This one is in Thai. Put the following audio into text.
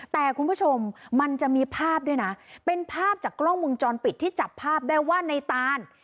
แต่คุณผู้ชมมันจะมีภาพด้วยนะเป็นภาพจากกล้องมุมจรปิดที่จับภาพได้ว่าในตาน